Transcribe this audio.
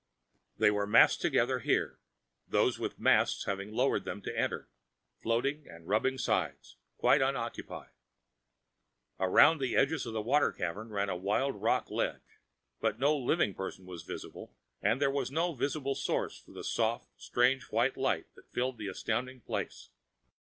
They were massed together here, those with masts having lowered them to enter, floating and rubbing sides, quite unoccupied. Around the edges of the water cavern ran a wide rock ledge. But no living person was visible and there was no visible source for the soft, strange white light that filled the astounding place.